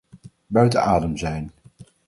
Buiten adem zijn.